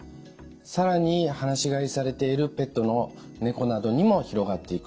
更に放し飼いされているペットの猫などにも広がっていくと。